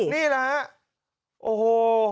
นี่แหละฮะโอ้โห